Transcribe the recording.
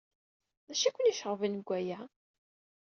D acu ay ken-iceɣben deg waya?